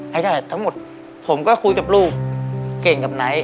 ให้ได้ทั้งหมดผมก็คุยกับลูกเก่งกับไหน